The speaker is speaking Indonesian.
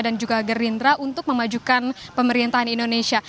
dan juga gerindra untuk memajukan pemerintahan indonesia